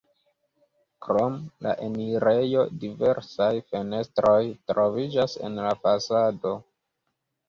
Krom la enirejo diversaj fenestroj troviĝas en la fasado.